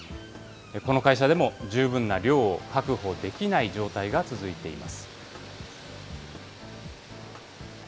この会社でも、十分な量を確保できない状態が続いています。